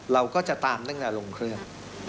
เราก็จะตามตั้งแต่ลงเครื่อง